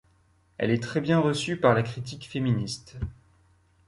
Elle est très bien reçue par la critique féministe.